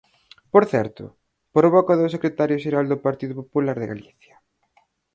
Por certo, por boca do secretario xeral do Partido Popular de Galicia.